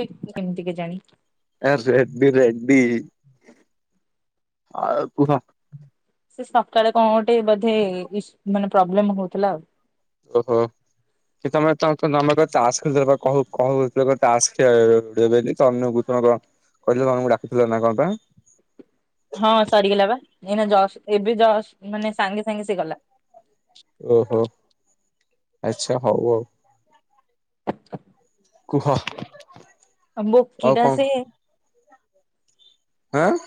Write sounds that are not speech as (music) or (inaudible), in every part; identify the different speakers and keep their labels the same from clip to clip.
Speaker 1: ଇ-ସେ କେମିତି କେଜାଣି।
Speaker 2: ଏ ଏବେ ରେଡି, ଆଉ କୁହ।
Speaker 1: ସେ ସକାଳେ କଣ ଗୋଟେ ବୋଧେ ଇସୁ-ମାନେ ପ୍ରୋବ୍ଲେମ ହଉଥିଲା ଆଉ।
Speaker 2: ଓହୋ। କି ତମେ ତ ତମେ ତ ତାସ୍ ଖେଳୁଥିଲେ କ କହୁଥିଲ ତାସ୍ ଖେଳିବ ବୋଲି ତମେକୁ କର କହିଲ ତୁମକୁ ଡାକୁଥିଲ ନା କଣ ପା?
Speaker 1: ହଁ ସରିଗଲା ବା ଏଇନା ଜସ୍ ଏବେ ଜସ୍ ମାନେ ସାଙ୍ଗେ ସାଙ୍ଗେ ସେ ଗଲା।
Speaker 2: ଓହୋ ଆଚ୍ଛା ହଉ ଆଉ। କୁହ।
Speaker 1: ବୋକୀ
Speaker 2: ଆଉ
Speaker 1: ଟା
Speaker 2: କଣ
Speaker 1: ସେ
Speaker 2: ହାଁ?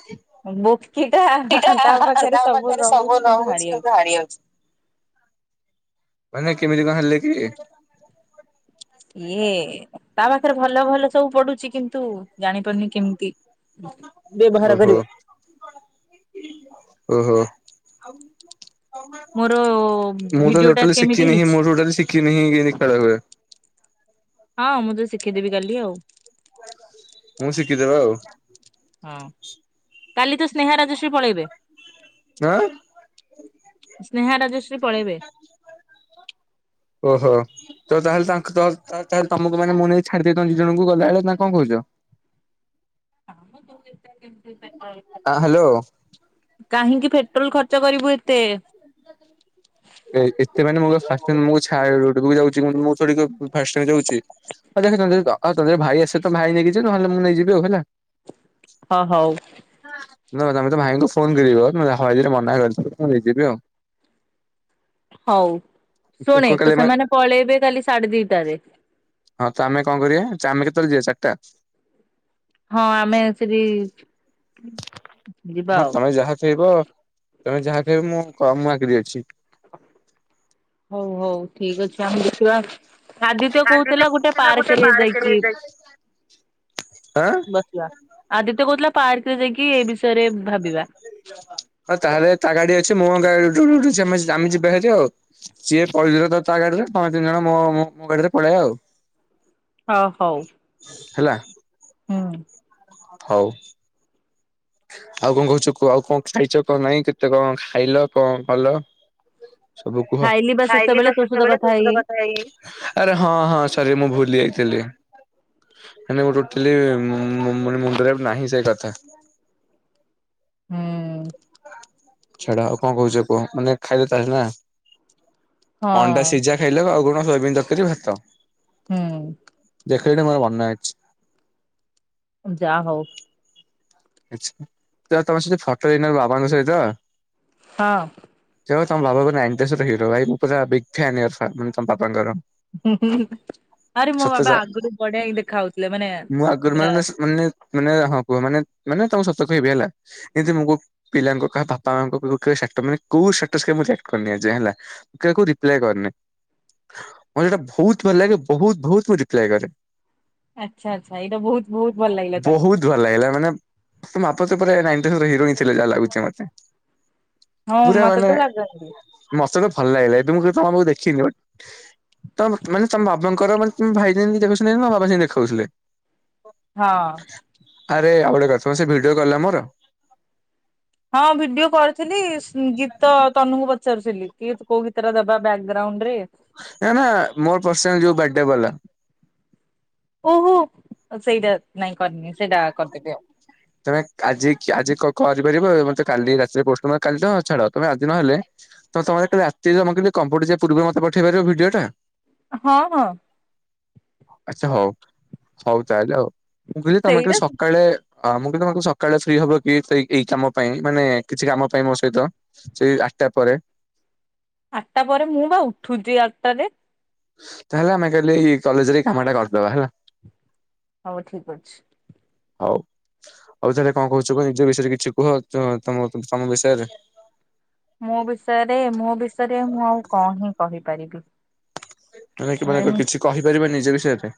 Speaker 1: ବୋକିଟା
Speaker 2: ସେଟା ତା ପାଖରେ ସବୁ ନ ହଉଚି କିନ୍ତୁ ହାରି ଯାଉଚି। ମାନେ କେମିତି କଣ ହେଲେ କି?
Speaker 1: ଇଏ ତା ପାଖରେ ଭଲ ଭଲ ସବୁ ପଡୁଚି କିନ୍ତୁ ଜାଣିପାରୁନି କେମିତି ବ୍ୟବହାର
Speaker 2: ଓହୋ।
Speaker 1: କରିବ।
Speaker 2: ଓଃହୋ।
Speaker 1: ମୋର
Speaker 2: ମୁଁ ତ
Speaker 1: ଭିଡିଓ ଟା
Speaker 2: ଟୋଟାଲି
Speaker 1: କେମିତି
Speaker 2: ଶିଖିନିଁ
Speaker 1: ହେଇଛି
Speaker 2: ମୁଁ ଟୋଟାଲି ଶିଖିନି କେନ୍ତୀ ଖେଳ ହୁଏ।
Speaker 1: ହଁ ମୁଁ ତ ଶିଖେଇଦେବି କାଲି ଆଉ।
Speaker 2: ମୁଁ ଶିଖିଦେବା ଆଉ।
Speaker 1: ହଁ କାଲି ତ ସ୍ନେହା ରାଜସ୍ୱୀ ପଳେଇବେ।
Speaker 2: ଆଁ।
Speaker 1: ସ୍ନେହା ରାଜଶ୍ରୀ ପଳେଇବେ।
Speaker 2: ଓହୋ। ତ ତାହେଲେ ତା ତାେଲେ ତମକୁ ମାନେ ମୁଁ ନେଇ ଛାଡିଦ ଦେଇ ଦି ଜଣଙ୍କୁ ଗଲାବେଳେ ନା କଣ କହୁଚ?
Speaker 1: ହ ମୁଁ ଦୁଇ କେମତି ପେଟ୍ରୋଲ
Speaker 2: ଆ
Speaker 1: ଖର୍ଚ୍ଚ
Speaker 2: ହ୍ୟାଲୋ।
Speaker 1: କରିବ। କାହିଁକି ପେଟ୍ରୋଲ ଖର୍ଚ୍ଚ କରିବୁ ଏତେ?
Speaker 2: ଏ ଏତେ ମାନେ ମୁ ଫାର୍ଷ୍ଟଟାଇମ ତମକୁ ଚଢିବାକୁ ଯାଉଚି ମୁଁ ଥୋଡ଼ି ଫାଷ୍ଟଟାମ ଯାଉଚି। ହଁ ଦେଖ ତର ତର ଭାଇ ଆସିବ ତ ଭାଇ ନେଇକି ଯିବ ନହଲେ ମୁଁ ନେଇଯିବି ଆଉ ହେଲା।
Speaker 1: ହଁ ହଉ।
Speaker 2: ନ ତମେ ତ ଭାଇଙ୍କୁ ଫୋନ କରିବ ହରେ ମନା କରି ମୁଁ ନେଇଯିବି ଆଉ।
Speaker 1: ହଉ ଶୁଣ
Speaker 2: କାଲି ଆମେ
Speaker 1: ସେମାନେ ପଳେଇବେ କାଲି ସାଢେ ଦିଟାରେ।
Speaker 2: ହଁ ତ ଆମେ କଣ କରିବା ଆମେ କେତେବେଳେ ଯିବା ଚାରିଟା?
Speaker 1: ହଁ ଆମେ ସେଠି ଯିବା
Speaker 2: ହଁ
Speaker 1: ଆଉ
Speaker 2: ତମେ ଯାହା ଖାଇବ ତମେ ଯାହା ଖାଇବ ମୁଁ କ ମୁ ଆଗିରି ଅଛି।
Speaker 1: ହଉ ହଉ ଠିକ ଅଛି ଆମେ ଦେଖିବା ଆଦିତ୍ୟ କହୁଥିଲା ଗୋଟେ ପାର୍କରେ ଯାଇକି
Speaker 2: ଆଁ?
Speaker 1: ବସିବା ଆଦିତ୍ୟ କହୁଥିଲା ପାର୍କ ରେ ଯାଇକି ଏ ବିଷୟରେ ଭାବିବା।
Speaker 2: ହଁ ତାହେଲେ ତା ଗାଡି ଅଛି ମୁଁ ଗାଡ ଉଡୁଛି ଆମ ଆମେ ଯିବା ହାରି ଆଉ। ସିଏ ପଳେଇଥିଲେ ତ ତା ଗାଡିରେ ତମେ ତିନି ଜଣ ମୋ ମୋ ଗାଡିରେ ପଳେଇବା ଆଉ।
Speaker 1: ହଁ ହଉ।
Speaker 2: ହେଲା।
Speaker 1: ହୁଁ।
Speaker 2: ହଉ। ଆଉ କଣ କହୁଛ କୁହ ଆଉ କଣ ଖାଇଛ କଣ ନାଇଁ କେତେ କଣ ଖାଇଲ କଣ କଲ? ସବୁ କୁହ।
Speaker 1: ଖାଇଲି ବା ସେତେବେଳେ ତୋ ସହିତ କଥା ହେଇ ହେଇ
Speaker 2: ଆରେ ହଁ ହଁ ସରି ମୁଁ ଭୁଲି ଯାଇଥିଲି। ଆରେ ଟୋଟାଲି ମୋ ମୋ ମୁଣ୍ଡରେ ନାହିଁ ସେ କଥା।
Speaker 1: ହୁଁ
Speaker 2: ଛଡା ଆଉ କଣ କହୁଛ କୁହ ମାନେ ଖାଇଲେ ତାଲେ ନା
Speaker 1: ହଁ
Speaker 2: ଅଣ୍ଡା ସିଝା ଖାଇଲ ଆଉ କଣ ସୋୟାବିନ ତରକାରି ଭାତ।
Speaker 1: ହୁଁ।
Speaker 2: ଦେଖିଲା ମୋର ମନେ ଅଛି।
Speaker 1: ଯା ହଉ।
Speaker 2: ଆଛା ତ ତମର ସହି ଫଟୋ ଦେଇନାର ବାବାଙ୍କ ସହିତ
Speaker 1: ହଁ।
Speaker 2: (unintelligible) ବିଗ୍ ଫ୍ୟାନ ମାନେ ତମ ବାପାଙ୍କର
Speaker 1: ହୁଁ ହୁଁ ଆରେ ମୋ ବାବା ଆଗରୁ ବଢିଆ କି ଦେଖା ହୋଉଥିଲେ ମାନେ
Speaker 2: ମୁଁ ଆଗରୁ
Speaker 1: ପୁରା
Speaker 2: ମାନେ ମାନେ ମାନେ ହଁ କୁହ ମାନେ ମାନେ ତମ ସତ କହିବି ହେଲା। ଏବେ ମୁଁ ମୋ ପିଲାଙ୍କ କାହା ବାପାଙ୍କୁ (unintelligible) ମୁଁ ସେଟ୍ କରିନି ଆଜି ଯାଏଁ ହେଲା। କାକୁ ରିପ୍ଲାଏ କରିନି। ମୋତେ ଏଇଟା ବହୁତ୍ ଭଲ ଲାଗେ ବହୁତ୍ ବହୁତ୍ ମୁଁ ରିପ୍ଲାଏ କରେ।
Speaker 1: ଆଚ୍ଛା ଆଚ୍ଛା ଏଇଟା ବହୁତ୍ ବହୁତ୍ ଭଲ ଲାଗିଲା ତାହଲେ।
Speaker 2: ତୁ ଭଲ ଲାଗିଲା ମାନେ। ସେ ମାପ ଯୁପରେ ନାଁ ଏମିତିରେ ପୁରା ହିରୋ ହିଁ ଥିଲେ ଯାହା ଲାଗୁଛି ମତେ
Speaker 1: ହଁ
Speaker 2: ପୁରା
Speaker 1: ମତେ
Speaker 2: ମାନେ
Speaker 1: ତ ଲାଗନ୍ତି
Speaker 2: ମୋତେ ତ ଭଲ ଲାଗିଲା ଏବେ ମୁଁ କଇନି ତମକୁ ଦେଖିନି ବୋଧେ। ତମ ମାନେ ତମ ବାବାଙ୍କର ମାନେ ତମ ଭାଇ ଯେମିତି (unintelligible) ତମ ବାବା ସେମିତି ଦେଖାଉଥିଲେ।
Speaker 1: ହଁ।
Speaker 2: ଆରେ ଆଉ ଗୋଟେ କଥା ସେ ଭିଡିଓ ଗଲା ମୋର।
Speaker 1: ହଁ ଭିଡିଓ କରିଥିଲି ଗୀତ ତନୁକୁ ପଚାରୁଥିଲି କି କୋଉ ଗୀତଟା ଦବା ବ୍ୟାଗ୍ରାଉଣ୍ଡୁରେ।
Speaker 2: ଏଁ ନା ମୋ ପଲସର୍ ଯୋଉ ବାଇକି୍ଟା ଭଲ।
Speaker 1: ଓହୋ ସେଇଟା ନାଇଁ କରିନି ସେଇଟା କରିଦେବି ଆଉ।
Speaker 2: ତମେ ଆଜି କିଏ ଆଜି କ କରି କରିପାରିବ ମତେ କାଲି ରାତିରେ ପୋଷ୍ଟମ କାଲି ତ ଛାଡ ତମେ ଆଜି ନହେଲେ ହଁ ତମେ ତ ରାତିରେ ମୁଁ କଇଲି କମ୍ପ୍ୟୁଡିଜେ ପୂର୍ବରୁ ମତେ ପଠେଇ ପାରିବ ଭିଡିଓ ଟା।
Speaker 1: ହଁ ହଁ।
Speaker 2: ଆଚ୍ଛା ହୋଉ ହୋଉ ତାହେଲେ ଆଉ ମୁଁ କଇଲି ତମେ କାଲି
Speaker 1: ସେଇଟା
Speaker 2: ସକାଳେ ଅ ମୁଁ କଇଲି ତମକୁ ସକାଳେ ଫ୍ରି ହବକି ସେଇ ଏଇ କାମ ପାଇଁ ମାନେ କିଛି କାମ ପାଇଁ ମୋ ସହିତ। ସେଇ ଆଟା ପରେ।
Speaker 1: ଆଟା ପରେ ମୁଁ ବା ଉଠୁଛି ଆଟାରେ।
Speaker 2: ତାହେଲେ ଆମେ କାଲି ଏଇ କଲେଜେରେ ଏଇ କାମଟା କରିଦବା ହେଲା।
Speaker 1: ହଁ ଭାଇ ଠିକ୍ ଅଛି।
Speaker 2: ହୋଉ। ଆଉଥରେ କଣ କହୁଛୁ କଅନି ନିଜ ବିଷୟରେ କିଛି କୁହ ତୋ ତମ ତମ ବିଷୟରେ।
Speaker 1: ମୋ ବିଷୟରେ ମୋ ବିଷୟରେ ମୁଁ ଆଉ କଣ ହିଁ କହିପାରିବି।
Speaker 2: (unintelligible)
Speaker 1: ଆଉ
Speaker 2: କିଛି କହିପାରିବ ନିଜେ ବିଷୟରେ।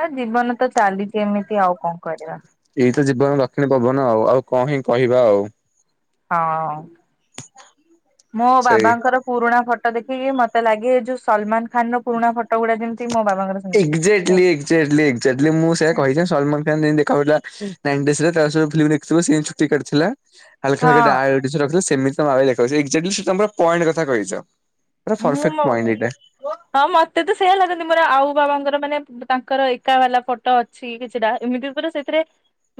Speaker 1: ଆ ଜୀବନ ତ ଚାଲିଚି ଏମିତି ଆଉ କଣ କରିବା।
Speaker 2: ଏଇ ତ ଜୀବନ ଦକ୍ଷିଣୀ ପବନ ଆଉ ଆଉ କଣ ହିଁ କହିବା ଆଉ।
Speaker 1: ହଁ ମୋ
Speaker 2: ସେଇ
Speaker 1: ବାବାଙ୍କର ପୁରୁଣା ଫଟୋ ଦେଖିକି ମତେ ଲାଗେ ଯୋଉ ସଲମନ ଖାନ୍ ର ପୁରୁଣା ଫଟୋ ଗୁଢା ଯେମିତି ମୋ ବାବାଙ୍କର ସେମିତି।
Speaker 2: (unintelligible) ଏକ୍ସକ୍ଟାଲି ଏକ୍ସକ୍ଟାଲି ମୁଁ ସେୟା କହିଥାନ୍ତି ସଲମନ ଖାନ୍ ଯେମିତି ଦେଖାଯାଉଥିଲା ନାଇଣ୍ଟି ଏସ ରେ ତାସହ ଫିଲ୍ମ ଦେଖିଥିବ ସିଏ ଚୁ ଟି କାଟି ଥିଲା। ହାଲକା
Speaker 1: ହଁ
Speaker 2: ହାଲକା ଡ୍ରାଏ ଚୁଟି ରଖିଚ ସେମିତି ତମ (unintelligible) ଏକ୍ସାକ୍ଟଲି ତମେ ପୁରା ପଏଣ୍ଟ କଥା କହିଚ। ପୁରା
Speaker 1: ମୁଁ
Speaker 2: ପରଫେକ୍ଟ
Speaker 1: ମୋ
Speaker 2: ପଏଣ୍ଟ୍ ଏଇଟା।
Speaker 1: ହଁ ମତେ ତ ସେୟା ଲାଗନ୍ତି ମୋର ଆଉ ବାବାଙ୍କର ମାନେ ତାଙ୍କର ଏକା ବାଲା ଫଟୋ ଅ ଠିକ୍ ଅଛିଟା ଏମିତି ପୁରା ସେଥିରେ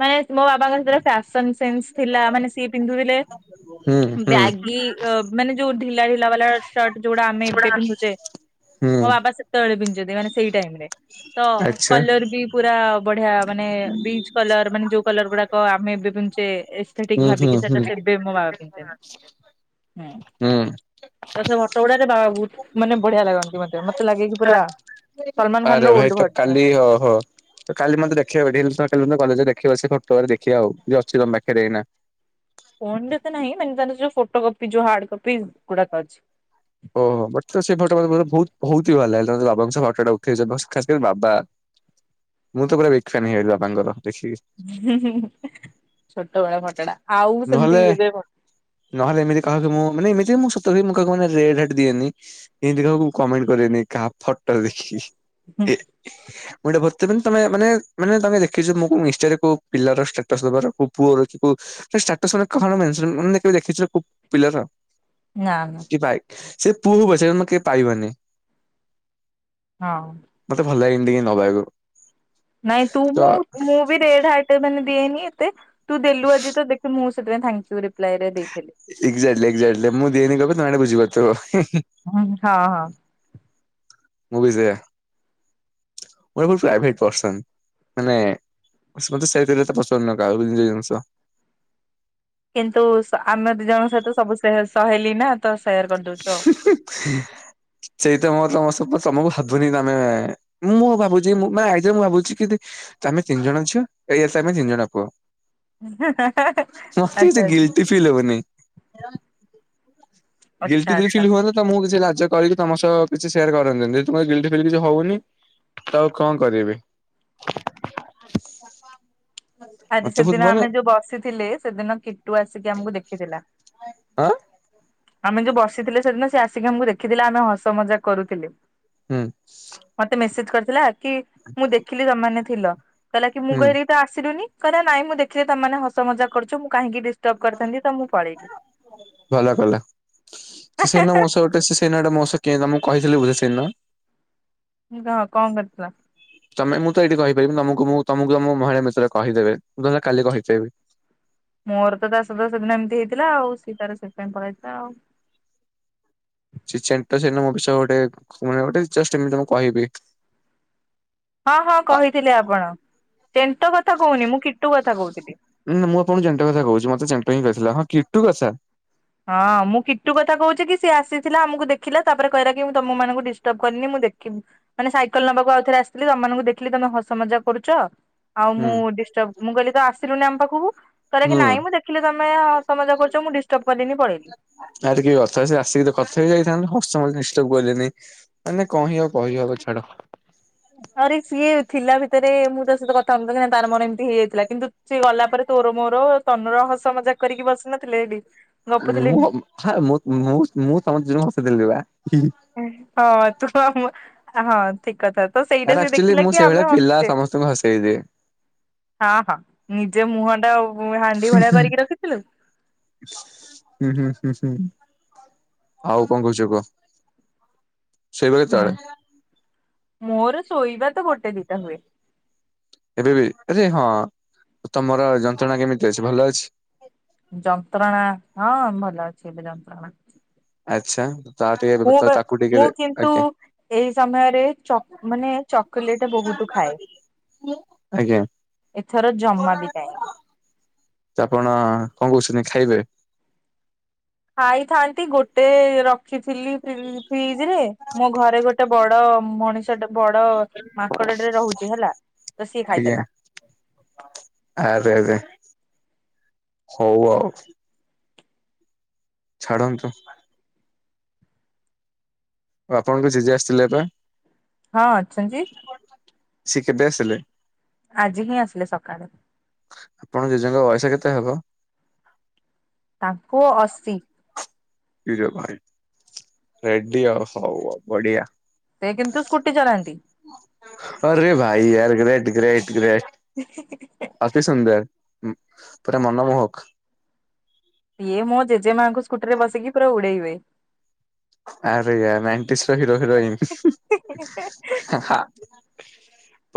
Speaker 1: ମାନେ ମୋ ବାବାଙ୍କ (unintelligible) ସନସେନସ୍ ଥିଲା ମାନେ ସିଏ ପିନ୍ଧୁଥିଲେ
Speaker 2: ହୁଁ ହୁଁ
Speaker 1: ବ୍ୟାଗି ଅ ମାନେ ଯୋଉ ଢିଲା ଢିଲା ବାଲା ସଟ୍ ଯୋଉଟା ଆମେ ଏବେ ପିନ୍ଧୁଚେ
Speaker 2: ହୁଁ
Speaker 1: ମୋ ବାବା ସେତେବେଳେ ପିନ୍ଧୁଚନ୍ତି ମାନେ ସେଇ ଟାଇମ୍ ରେ। ତ
Speaker 2: ଆଚ୍ଛା
Speaker 1: କଲର୍ ବି ପୁରା ବଢିଆ ମାନେ ବିଚ କଲର ମାନେ ଯୋଉ କଲର ଗୁଡାକ ଆମେ (unintelligible) ସେ ଠିକ
Speaker 2: ହୁଁ ହୁଁ
Speaker 1: ଭାବିକି ସେଟା
Speaker 2: ହୁଁ।
Speaker 1: ସେବେ ମୋ ବାବା ପିନ୍ଧଛନ୍ତିୁଁ ହୁଁ।
Speaker 2: ହୁଁ।
Speaker 1: ତ ସେ ହଟଗୁଡାରେ ବା ବହୁତ ମାନେ ବଢିଆ ଲାଗନ୍ତି ମ ଖାନ
Speaker 2: ଆରେ
Speaker 1: ର ଓଲ୍ଡ
Speaker 2: ଭାଇ ତ
Speaker 1: ଭର୍ସନ।
Speaker 2: କାଲି ଓହୋ। କାଲି ମତେ ଦେଖେଇବ ରିଲସ ଗୋଟେଦିନ କଲେଜ ଦେଖିବା ସେ ଫଟରେ ଦେଖିବା ଆଉ ଯିଏ ଅଛି ତମ ପାଖରେ ଏଇନା।
Speaker 1: ଫୋନ ରେ ତ ନାହିଁ ମାନେ ତାଙ୍କ ଯୋଉ ଫୋଟୋ କପି ଯୋଉ ହାର୍ଡ କପି ଗୁଡାକ ଅଛି।
Speaker 2: (unintelligible) ମୁଁ ତ ପୁରା ବିକ ଫେନ୍ ହେଇଗଲି ବାପାଙ୍କର ଦେଖି
Speaker 1: ଛୋଟବେଳ ଫୋଟଟା ଆଉ
Speaker 2: ନହେଲେ
Speaker 1: ସେମିତି ଏବେ
Speaker 2: ନହେଲେ ଏମିତି କହାକ ମୁଁ ମାନ ଏମିତି ସତରେ ମୁ କାହାକୁ ମାନେ ଆ ରେ ରେଟ ଦିଏନି ଏମିତି କାକୁ କମେଣ୍ଟ କରନି କାହା ଫଟୋ ଦେଖିକି।
Speaker 1: (unintelligible)
Speaker 2: ମୁଁ ଏଇଟା ଭରଥିଲି ତମେ ମାନେ ମାନେ ତମେ ଦେଖିଛ ମୁ କୋଉ ମିଶ୍ଚରେ କୋଉ ପିଲାର ଷ୍ଟାଟ ଦବାର କୋଉ ପୁଅର କି କୋଉ (unintelligible) ପିଲାର
Speaker 1: ନା ନା
Speaker 2: କି ପାଏ ସେ ପୁଅ ପଚାରିବ ମ କେ ପାଇବନି।
Speaker 1: ହଁ।
Speaker 2: ମତେ ଭଲ ଲାଗ ଏନ୍ତିକି ନବାକୁ।
Speaker 1: ନାଇଁ ତୁ
Speaker 2: ତ
Speaker 1: ମୁଁ ମୁଁ ବି ରେଡ ହାର୍ଟ ମାନେ ଦିଏନି ଏତେ ତୁ ଦେଲୁ ଆଜି ତ ଦେଖି ମୁଁ ସ ସେଥିପାଇଁ ଥେକ୍ଯୁ ରିପ୍ଲାଏ ରେ ଦେଇଥିଲି।
Speaker 2: ଏକ୍ଜାକ୍ଟଲି ଏକ୍ଜାକ୍ଟଲି ମୁଁ ଦିଏନି କେବେ ତମେ ଏଟା ବୁଝିିପାରୁଥିବ।
Speaker 1: ହୁଁ ହଁ ହଁ।
Speaker 2: ମୁବି ସେଇୟା ମୁଁ ଏବେ ପର୍ଯ୍ୟଭେ ପର୍ଶନ। ଅସ ମତେ ସେଇଥିରେ ତ ପସନ୍ଦ ନୁହେଁ କାହାକୁ ନିଜ ଜିନିଷ।
Speaker 1: କିନ୍ତୁ ସ୍ ଆମେ ଦି ଜଣଙ୍କ ସହିତ ସବୁ ସହଲି ନା ତ ସେୟାର କରିଦଉଛୁ ଆଉ।
Speaker 2: ସେଇ ତ ମ ତମ ସବୁ ତମକୁ ଭାବୁନି ତମେ ମୁଁ ଭାବୁଛି ମା ଆଇରେ ମୁଁ ଭାବୁଛି କି ଦି ତ ଆମେ ତିନି ଜଣ ଝିଅ ଏଇଆ ତ ଆମେ ତିନି ଜଣ ପୁଅ। ମତେ
Speaker 1: ଆଚ୍ଛା
Speaker 2: କିଛି
Speaker 1: ଆଚ୍ଛା
Speaker 2: ଗିିଲଟି ଫିଲ୍ ହବନି ଗିଲଟି
Speaker 1: ଆଚ୍ଛା।
Speaker 2: ଦିଲ
Speaker 1: ଆଚ୍ଛା।
Speaker 2: ଫିଲ୍ ହୁଅ ତା ମୁଁ କିଛି ଲାଜ କରିକି ତମ ସହ କିଛି ସେୟାର କରନ୍ତି ତମର ଗିଲଟି ଫିଲ୍ କିଛି ହୋଉନି ତୋ ଆଉ କଣ କରିବି
Speaker 1: ଆଜି
Speaker 2: ମତେ ବହୁତ
Speaker 1: ସେଦିନ
Speaker 2: ମାନେ
Speaker 1: ଆମେ ଯୋଉ ବସିଥିଲେ ସେଦିନ କିଟୁ ଆସିକି ଆମକୁ ଦେଖିଥିଲା।
Speaker 2: ଆଁ?
Speaker 1: ଆମେ ଯୋଉ ବସିଥିଲେ ସେଦିନ ସେ ଆସିକି ଆମକୁ ଦେଖିଥିଲେ ଆମେ ହସ ମଜାକ କରୁଥିଲେ।
Speaker 2: ହୁଁ।
Speaker 1: ମତେ ମେସେଜ କରିଥିଲା କି ମୁଁ ଦେଖିଲି ତମେନେ ଥିଲା କହିଲା କି ମୁଁ
Speaker 2: ହୁଁ
Speaker 1: କହିଲି ତ ଆସିଲୁନି କହିଲା ନାଇଁ ଦେଖିଲି ତମାନେ ହସ ମଜା କରୁଚ ମୁଁ କାହିଁକି ଡିଷ୍ଟର୍ବ କରିଥାନ୍ତି ତ ମୁଁ ପଳେଇଲି।
Speaker 2: ଭଲ କଲା ସେ ସେଇନ ମୋସହ ଗୋଟେ ସେ ସେନା ଗୋଟେ ମସ କେ ତମଁ କହିଥିଲି ବୁଝେ ସେନ?
Speaker 1: ନୀଗା କଁ କରିଥିଲା?
Speaker 2: ତମେ ମୁଁ ତ ଏଇଠି କହିପାରିବି ତମକୁ ମୁଁ ତମକୁ ଆମ ମହିଳା ମିତ୍ର କହିଦେବେ ମୁଁ ତାସ କାଲି କହିଚିବି।
Speaker 1: ମୋର ତ ତା ସହିତ ସେଦିନ ଏମିତି ହେଇଥିଲା ଆଉ ସିଏ ତାର ସେଥିପାଇଁ ପଳେଇାଇଥିଲା ଆଉ।
Speaker 2: ସେ ଚେନଣ୍ଟ ମୋ ବିଷୟରେ ଗୋଟେ ଚେଷ୍ଟମତି କହିବି।
Speaker 1: ହଁ ହଁ କହିଥିଲେ ଆପଣ ସେଣ୍ଟ କଥା। କଥା କହୁନି ମୁଁ କିଟୁ କଥା କହୁଥିଲି।
Speaker 2: ନାଁ ମୁଁ ଆପଣ କୁ ଚେଣ୍ଟ କଥା କହୁଛି ମତେ ଚେଣ୍ଟହିଁ କହିଥିଲା ହଁ କିଟୁ କଥା
Speaker 1: ହଁ ମୁଁ କିଟୁ କଥା କହୁଛିି କି ସିଏ ଆସିଥିଲା ଆମକୁ ଦେଖିଲା ତାପରେ କହିଲା କି ମୁଁ ତମ ମାନଙ୍କୁ ଡିଷ୍ଟର୍ବ କରିନି ମୁଁ ଦେଖିବୁ। ମାନେ ସାଇକେଲ ନବାକୁ ଆଉଥରେ ଆସଥିଲି ତମଙ୍କୁ ଦେଖିଲି ତମେ ହସ ମଜା କରୁଛ। ଆଉ
Speaker 2: ହୁଁ।
Speaker 1: ମୁଁ ଡିଷ୍ଟର୍ବ ମୁଁ କହିଲି ତ ଆସିଲୁନି ଆମ ପାଖକୁ। କର କି
Speaker 2: ହୁଁ
Speaker 1: ନାଇଁ ମୁଁ ଦେଖିଲି ତମେ ହସ ମଜା କରୁଛ ମୁଁ ଡିଷ୍ଟର୍ବ (unintelligible)
Speaker 2: ଆରେିକଏ କଥା ସେ ଆସିକି କଥା ହେଇ ଯାଇଥାନ୍ତ ହସ ନିଶ୍ଚକୁ ଗଲେନି। ମାନେ କଣ ହି ଆଉ କହିହବ ଛାଡ।
Speaker 1: ଆରେ ସିଏ ଥିଲା ଭିତରେ ମୁଁ ତା ସହିତ କଥା ହୁଏନା ନା ତାର ମନ ଏମିତି ହେଇଯାଇଥିଲା କିନ୍ତୁ ସିଏ ଗଲା ପରେ ତୋର ମୋର ତନ ରହସ ମଜାକ କରିକି ବସି ନଥିଲେ ଏଠି ଗପୁଥିଲେନି।
Speaker 2: (unintelligible) ମୁଁ ସମସ୍ତେ ହସିଥିଲି ବା
Speaker 1: ହ ତୁ ଆଉ ମୁଁ ହଁ ଠିକ କଥା ତ ସେଇଟା
Speaker 2: ଆରେ
Speaker 1: ସେ
Speaker 2: ଆକ୍ଚୁଆଲି
Speaker 1: ଦେଖିଲା
Speaker 2: ମୁଁ
Speaker 1: କି
Speaker 2: ସେଇଭଳିଆ
Speaker 1: ଆମେ
Speaker 2: ପିଲା
Speaker 1: ହସୁଛେ।
Speaker 2: ସମସ୍ତଙ୍କୁ ହସେଇଦିଏ।
Speaker 1: ହଁ ହଁ ନିଜେ ମୁହଁ ଟା ହାଣ୍ଡି ଭଳିଆ କରିକି ରଖିଥିଲୁ।
Speaker 2: ହୁଁ ହୁଁ ହୁଁ ହୁଁ ଆଉ କଣ କହୁଛ କୁହ ଶୋଇବ
Speaker 1: ହୁଁ।
Speaker 2: କେତେବେଳେ?
Speaker 1: ମୋର ଶୋଇବା ତ ଗୋଟେ ଦିଇଟା ହୁଏ।
Speaker 2: ଏବେ ବି ଆରେ ହଁ ତମର ଯନ୍ତ୍ରଣା କେମିତି ଅଛି ଭଲ ଅଛି।
Speaker 1: ଯନ୍ତ୍ରଣା ହଁ ଭଲ ଅଛି ଏବେ ଯନ୍ତ୍ରଣା।
Speaker 2: ଆଛା।
Speaker 1: ମୁଁ ମୁଁ କିନ୍ତୁ ଏଇ ସମୟରେ ଚକ ମାନେ ଚକୋଲେଟ ବହୁତ ଖାଏ
Speaker 2: ଆଜ୍ଞା
Speaker 1: ଏଥର ଜମା ବି ନାହିଁ
Speaker 2: ତ ଆପଣ କଣ କହୁଛନ୍ତି ଖାଇବେ
Speaker 1: ଖାଇଥାନ୍ତି ଗୋଟେ ରଖିଥିଲି ଫ୍ରିଜ ରେ ମୋ ଘରେ ଗୋଟେ ବଡ ମଣିଷ ଟ ବଡ ମାଙ୍କଡ ଟେ ରହୁଛି ହେଲା ତ ସିଏ
Speaker 2: ଆଜ୍ଞା
Speaker 1: ଖାଇଦେଲା।
Speaker 2: ଆରେ ଆରେ ହଉ ଆଉ ଛାଡ଼ନ୍ତୁ ଆପଣଙ୍କ ଜେଜେ ଆସିଥିଲେ ପା।
Speaker 1: ହଁ ଅଛନ୍ତି।
Speaker 2: ସେ କେବେ ଆସିଲେ?
Speaker 1: ଆଜି ହିଁ ଆସିଲେ ସକାଳେ।
Speaker 2: ଆପଣ ଙ୍କ ଜେଜେ ଙ୍କ ବୟସ କେତେ ହବ?
Speaker 1: ତାଙ୍କୁ ଅଶୀ
Speaker 2: ଇରେ ଭାଇ ରେଡି ଆଉ ହଉ ଆଉ ବଢିଆ।
Speaker 1: ସେ କିନ୍ତୁ ସ୍କୁଟି ଚଲାନ୍ତି।
Speaker 2: ଅରେ ଭାଇୟାର ଗ୍ରେଟ୍ ଗ୍ରେଟ ଗ୍ରେଟ।
Speaker 1: (inaudible)
Speaker 2: ଅତି ସୁନ୍ଦର ପୁରା ମନମୋହକ।
Speaker 1: ଇୟେ ମୋ ଜେଜେମାଆ ଙ୍କୁ ସ୍କୁଟି ରେ ବସିକି ପୁରା ଉଡେଇବେ।
Speaker 2: ଆରେ ୟାର ନାଇଣ୍ଟିସ୍ ର ହିରୋ ହିରୋଇନ୍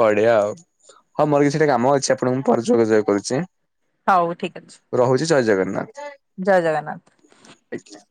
Speaker 2: ପାଡିଆ ଆଉ, ହଁ ମୋର କିଛିଟା କାମ ଅଛି ଆପଣଙ୍କୁ ମୁ ଯୋଗାଯୋଗ କରୁଛି।
Speaker 1: ହଉ ଠିକ୍ ଅଛି।
Speaker 2: ରହୁଛି ଜୟ ଜଗନ୍ନାଥ।
Speaker 1: ଜୟ ଜଗନ୍ନାଥ।
Speaker 2: ଆଜ୍ଞା।